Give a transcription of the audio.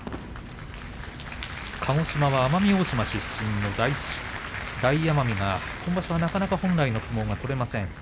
鹿児島は奄美大島出身の大奄美が今場所は、なかなか本来の相撲が取れません。